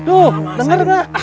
tuh denger gak